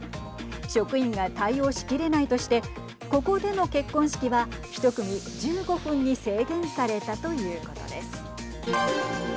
職員が対応しきれないとしてここでの結婚式は１組１５分に制限されたということです。